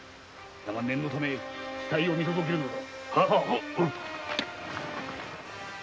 だが念のため死体を見届けるのだ。